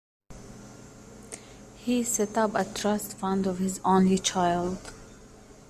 He set up a trust fund for his only child.